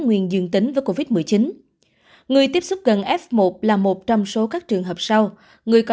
nguyên dương tính với covid một mươi chín người tiếp xúc gần f một là một trong số các trường hợp sau người có